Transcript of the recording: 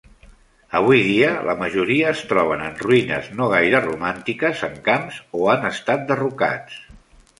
Avui dia, la majoria es troben en ruïnes no gaire romàntiques en camps o han estat derrocats.